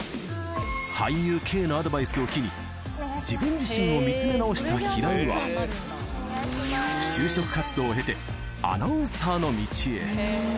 俳優Ｋのアドバイスを機に、自分自身を見つめ直した平井は、就職活動を経てアナウンサーの道へ。